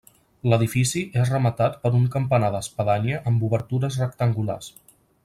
L'edifici és rematat per un campanar d'espadanya amb obertures rectangulars.